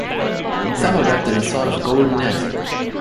Some are wrapped in a sort of golden net.